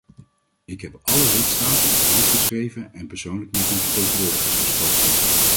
Ik heb alle lidstaten een brief geschreven en persoonlijk met hun vertegenwoordigers gesproken.